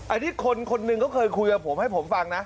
อันนี้คนคนหนึ่งเขาเคยคุยกับผมให้ผมฟังนะ